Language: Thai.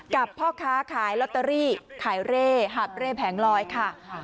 พ่อค้าขายลอตเตอรี่ขายเร่หับเร่แผงลอยค่ะ